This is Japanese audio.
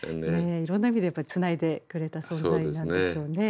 いろんな意味でやっぱりつないでくれた存在なんでしょうね。